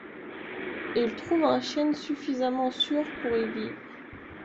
Il trouve un chêne suffisamment sûr pour y vivre.